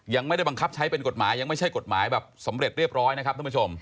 ยังไม่ได้บังคับใช้เป็นกฎหมายยังไม่ใช่กฎหมายแบบสำเร็จเรียบร้อยนะครับท่านผู้ชม